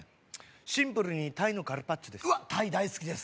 シンプルにタイのカルパッチョです